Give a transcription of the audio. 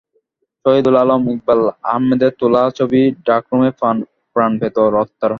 শহিদুল আলম, ইকবাল আহমেদদের তোলা ছবি ডার্করুমে প্রাণ পেত রত্নার হাতে।